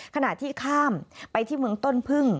ขณะที่ข้ามไปที่เมืองต้นพึ่ง